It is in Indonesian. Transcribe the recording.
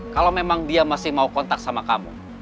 kalau memang dia masih mau kontak sama kamu